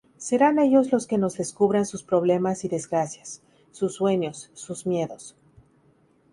Serán ellos los que nos descubran sus problemas y desgracias, sus sueños, sus miedos.